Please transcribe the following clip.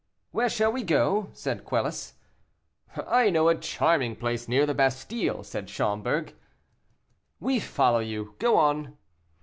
"Where shall we go?" said Quelus. "I know a charming place near the Bastile," said Schomberg. "We follow you, go on."